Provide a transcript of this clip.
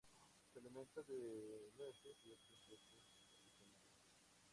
Se alimenta de nueces y otros frutos y semillas.